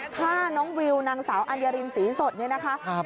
ฆ่าน้องวิวนางสาวอัญญารินศรีสดเนี่ยนะคะ